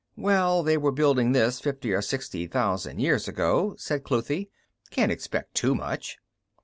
"Well, they were building this fifty or sixty thousand years ago," said Cluthe. "Can't expect too much."